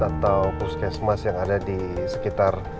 atau puskesmas yang ada di sekitar